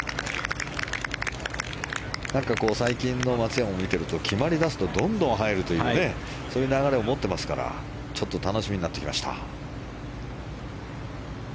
最近の松山を見てると決まりだすとどんどん入るというそういう流れを持ってますから楽しみになってきました。